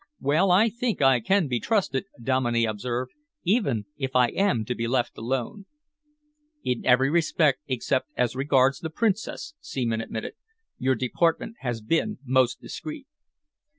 "Well, I think I can be trusted," Dominey observed, "even if I am to be left alone." "In every respect except as regards the Princess," Seaman admitted, "your deportment has been most discreet."